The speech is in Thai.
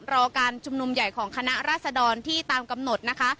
รอการชุมนุมใหญ่ของคณะราษดรที่ตามกำหนดนะคะ